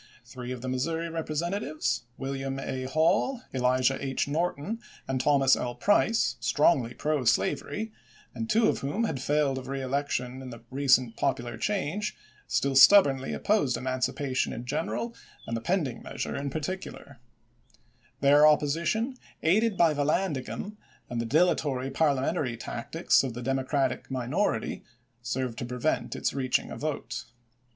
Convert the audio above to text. Three of the Missouri Eepre sentatives, WiUiam A. Hall, Elijah H. Norton, and Thomas L. Price, strongly pro slavery, and two of whom had failed of reelection in the recent pop ular change, still stubbornly opposed emancipation MISSOUEI GUEKEILLAS AND POLITICS 397 in general and the pending measure in particular, ch. xviii. Their opposition, aided by Vallandigham and the dilatory parliamentary tactics of the Democratic minority, served to prevent its reaching a vote.